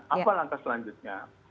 apa langkah selanjutnya